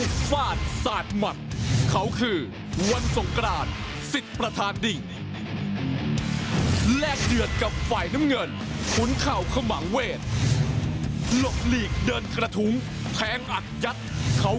ก่อนอื่นไปชมวิทยา